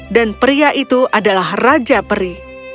dan pria itu adalah raja peri